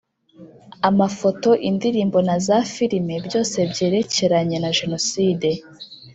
amafoto indirimbo na za filime byose byerekeranye na jenoside